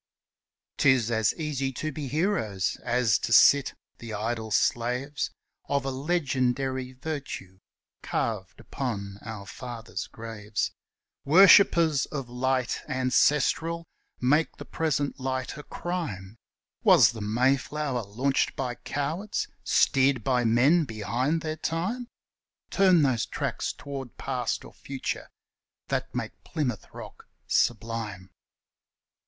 'Tis as easy to be heroes as to sit the idle slaves Of a legendary virtue carved upon our fathers' graves, Worshippers of light ancestral make the present light a crime; Was the Mayflower launched by cowards, steered by men behind their time? Turn those tracks toward Past or Future, that make Plymouth rock sublime?